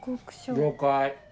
了解！